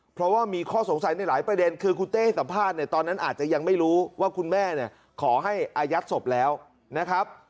เพราะว่ามีข้อสงสัยในหลายประเด็นคือคุณเต้ให้สัมภาษณ์เนี่ยตอนนั้นอาจจะยังไม่รู้ว่าคุณแม่เนี่ยขอให้อายัดศพแล้วนะครับ